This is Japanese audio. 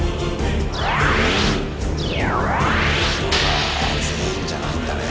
あ全員じゃないんだね。